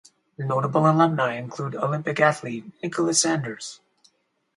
Notable alumni include Olympic Athlete Nicola Sanders.